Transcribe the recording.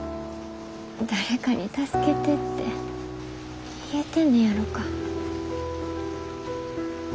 誰かに助けてって言えてんねやろか。